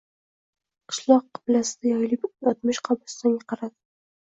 Qishloq qiblasida yoyilib yotmish qabristonga qaradi.